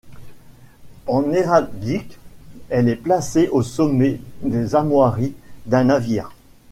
En héraldique, elle est placée au sommet des armoiries d'un navire.